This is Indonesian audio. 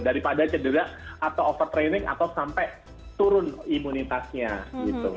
daripada cedera atau overtraining atau sampai turun imunitasnya gitu